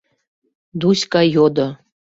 — Дуська йодо.